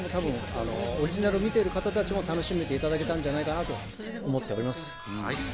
オリジナルを見ている方たちも楽しんでいただけたんじゃないかなと思っております。